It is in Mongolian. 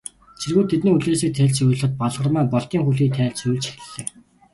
Цэргүүд тэдний хүлээсийг тайлж, сувилахад, Балгармаа Болдын хүлгийг тайлж сувилж эхэллээ.